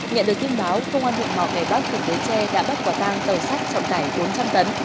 nhận được tin báo công an huyện mò cái bắc của tế tre đã bắt quả tăng tàu sắt trọng tải bốn trăm linh tấn